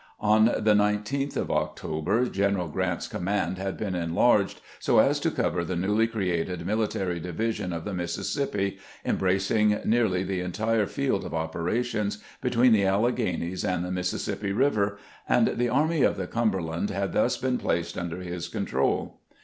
On the 19th of October General Grant's command had been enlarged so as to cover the newly created military division of the Mississippi, embracing nearly the entire field of operations between the Alleghanies and the Mis sissippi River, and the Army of the Cumberland had thus been placed under his control.